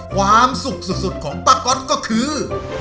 ความสุขสุดของป้าก๊อตก็คือ